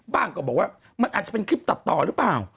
ก็บอกว่ามันอาจจะเป็นคลิปตัดต่อหรือเปล่า